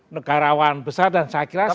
negarawan besar dan sakit rasa